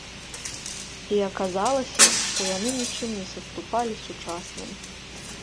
І аказалася, што яны нічым не саступалі сучасным.